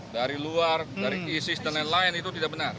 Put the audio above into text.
dari luar dari isis dan lain lain itu tidak benar